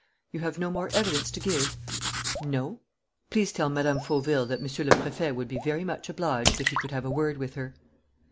"You have no more evidence to give?" "No." "Please tell Mme. Fauville that Monsieur le Préfet would be very much obliged if he could have a word with her."